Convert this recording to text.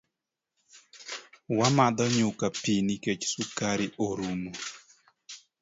Wamadho nyuka pii nikech sukari orumo